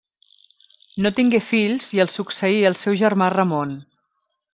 No tingué fills i el succeí el seu germà Ramon.